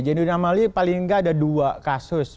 jainud amali paling nggak ada dua kasus